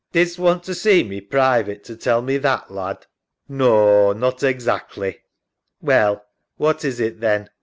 Didst want to see me private to tell me that, lad? SAM. Naw, not exactly. SARAH. Well, what is it then?